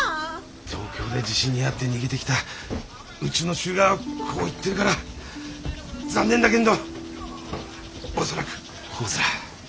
東京で地震に遭って逃げてきたうちの衆がほう言ってるから残念だけんど恐らくほうずら。